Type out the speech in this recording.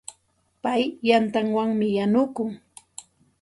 Pay yantawanmi yanukun.